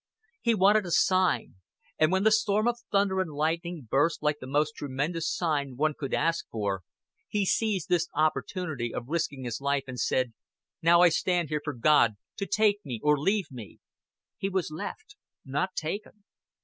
He wanted a sign; and when the storm of thunder and lightning burst like the most tremendous sign one could ask for, he seized this opportunity of risking his life, and said: "Now I stand here for God to take me or leave me." He was left, not taken.